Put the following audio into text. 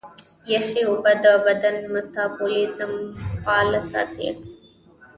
یخي اوبه د بدن میتابولیزم فعاله ساتي.